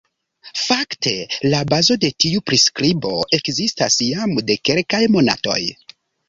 Fakte la bazo de tiu priskribo ekzistas jam de kelkaj monatoj.